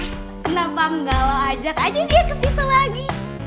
kenapa enggak lo ajak aja dia ke situ lagi